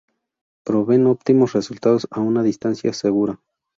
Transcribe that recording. Proveen óptimos resultados a una distancia segura.